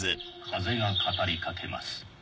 風が語りかけます。